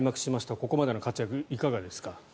ここまでの活躍いかがですか？